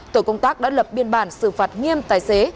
tổ công tác đã lập biên bản xử phạt nghiêm tài xế